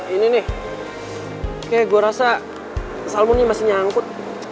ini nih kayak gue rasa salmonnya masih nyangkut